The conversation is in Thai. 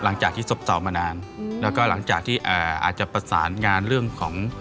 หลังจากที่ศพต่อมานานแล้วก็หลังจากที่อ่าอาจจะประสานงานเรื่องของ